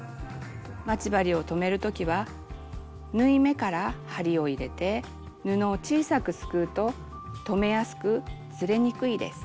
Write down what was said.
待ち針を留めるときは縫い目から針を入れて布を小さくすくうと留めやすくずれにくいです。